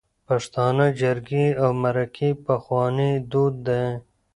پښتانه جرګی او مرکی پخواني دود ده